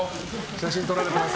写真撮られてます。